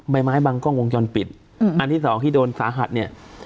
ไม้บางกล้องวงจรปิดอืมอันที่สองที่โดนสาหัสเนี่ย